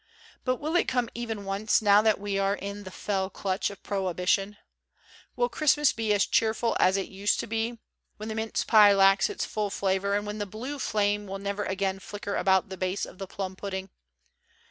But will it come even once, now that we are in the fell clutch of prohibition ? Will Christmas be as cheerful as it used to be, 198 COSMOPOLITAN COOKERY when the mince pie lacks its full flavor and when the blue flame will never again flicker about the base of the plum pudding?